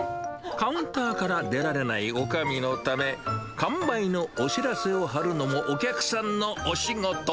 カウンターから出られないおかみのため、完売のお知らせを貼るのもお客さんのお仕事。